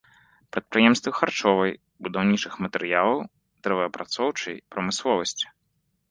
Прадпрыемствы харчовай, будаўнічых матэрыялаў, дрэваапрацоўчай прамысловасці.